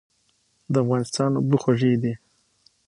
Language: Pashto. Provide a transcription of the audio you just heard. د افغانستان اوبه خوږې دي.